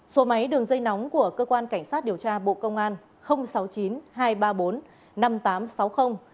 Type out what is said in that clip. số máy đường dây nóng của cơ quan cảnh sát điều tra bộ công an sáu mươi chín hai trăm ba mươi bốn năm nghìn tám trăm sáu mươi